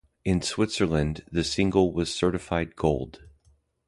In Switzerland, the single was certified Gold.